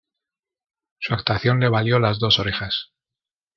Su actuación le valió las dos orejas.